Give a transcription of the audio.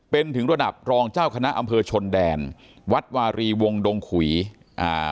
เป็นถึงระดับรองเจ้าคณะอำเภอชนแดนวัดวารีวงดงขุยอ่า